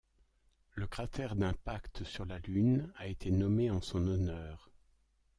Le cratère d'impact sur la Lune a été nommé en son honneur.